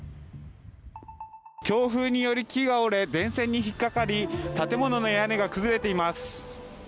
強風により木が折れ、電線に引っ掛かり建物の屋根が崩れています。